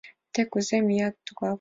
Те кузе, меат тугак!»